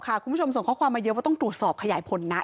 คุณผู้ชมส่งข้อความมาเยอะว่าต้องตรวจสอบขยายผลนะ